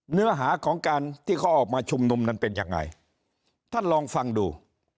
เนื้อหาของการที่เขาออกมาชุมนุมนั้นเป็นยังไงท่านลองฟังดู